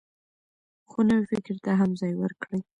خو نوي فکر ته هم ځای ورکړئ.